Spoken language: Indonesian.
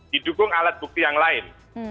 didukung alat bukti yang lain